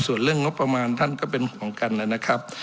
ส่วนเรื่องงบประมาณท่านก็เป็นห่วงกันนะครับ